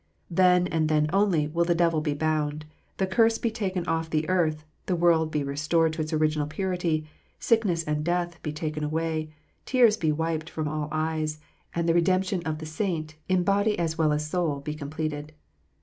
Then, and then only, will the devil be bound, the curse be taken off the earth, the world be restored to its original purity, sickness and death be taken away, tears be wiped from all eyes, and the redemption of the saint, in body as well as soul, be completed.